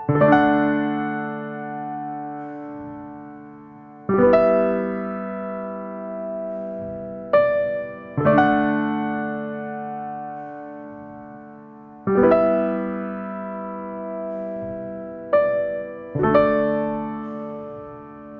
เพราะฉะนั้นทุกคนก็ยังมีกำลังใจที่จะเดินตรงนี้ครับ